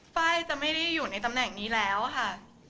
ไฟล์จะไม่ได้อยู่ในตำแหน่งนี้แล้วค่ะ